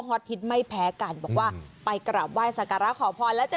ฮิตไม่แพ้กันบอกว่าไปกราบไหว้สักการะขอพรแล้วจะ